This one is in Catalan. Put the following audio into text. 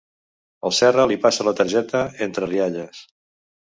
El Serra li passa la targeta, entre rialles.